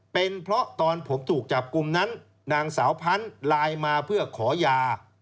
เป็นเพราะตอนผมถูกจับกลุ่มนั้นนางสาวพันธุ์ไลน์มาเพื่อขอยา